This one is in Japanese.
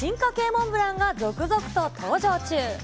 モンブランが、続々と登場中。